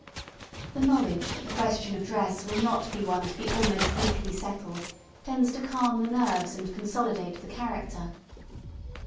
The knowledge that the question of dress will not be one to be almost weekly settled tends to calm the nerves and consolidate the character.